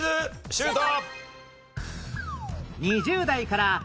シュート！